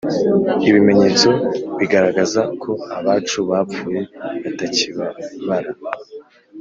Ibimenyetso bigaragaza ko abacu bapfuye batakibabara